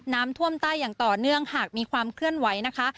น้ำท่วมใต้อย่างต่อเนื่องหากมีความเคลื่อนไหวนะคะ